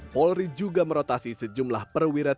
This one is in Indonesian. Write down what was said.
polri juga merotasi sejumlah perwira tni